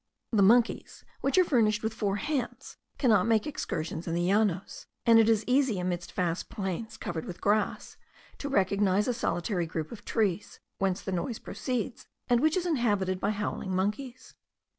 The monkeys which are furnished with four hands cannot make excursions in the Llanos; and it is easy, amidst vast plains covered with grass, to recognize a solitary group of trees, whence the noise proceeds, and which is inhabited by howling monkeys.